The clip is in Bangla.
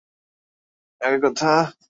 এগুলো অনেক আগের কথা।